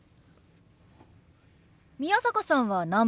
宮坂さんは何番目？